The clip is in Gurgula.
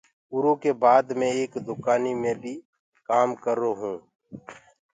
اُرو ڪي بآد مي ايڪ دُڪآنيٚ مي ڀيٚ ڪآم ڪررو هونٚ۔